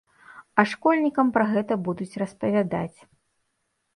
А школьнікам пра гэта будуць распавядаць.